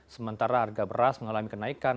sementara harga beras mengalami kenaikan